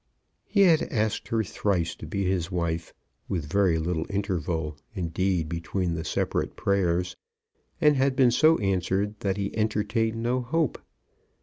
He had asked her thrice to be his wife, with very little interval, indeed, between the separate prayers, and had been so answered that he entertained no hope.